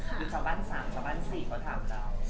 หรือจังบรรทสามหรือจังบรรทสี่เขาถามเรา